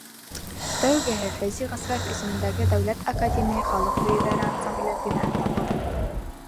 Тәүгеһе Фәйзи Ғәскәров исемендәге дәүләт академия халыҡ бейеүҙәре ансамбле бинаһында булды.